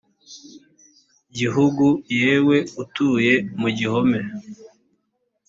gihugu yewe utuye mu gihome